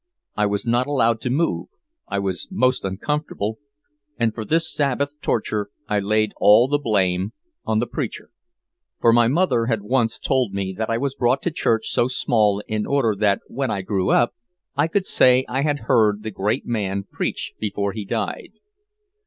I was not allowed to move, I was most uncomfortable, and for this Sabbath torture I laid all the blame on the preacher. For my mother had once told me that I was brought to church so small in order that when I grew up I could say I had heard the great man preach before he died.